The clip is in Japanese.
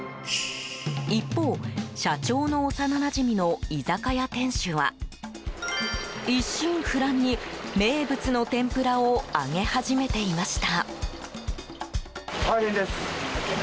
一方、社長の幼なじみの居酒屋店主は一心不乱に、名物の天ぷらを揚げ始めていました。